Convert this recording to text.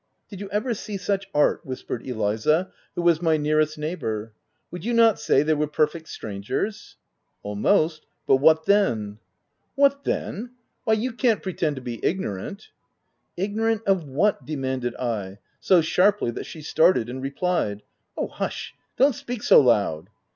"Did you ever see such art !" whispered Eliza, who was my nearest neighbour. "Would you not say they were perfect strangers ?"" Almost ;— but what then ?"" What then !— why you can't pretend to be ignorant?' 5 " Ignorant of whatV demanded I, so sharply that she started and replied, —" Oh, hush ! don't speak so loud."